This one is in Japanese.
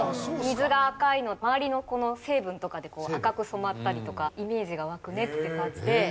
水が赤いの周りの成分とかで赤く染まったりとかイメージが湧くねって感じで。